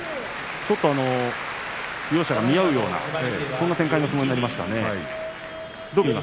ちょっと両者が見合うようなそんな展開の相撲になりました。